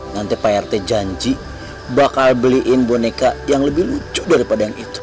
nanti pak rt janji bakal beliin boneka yang lebih lucu daripada yang itu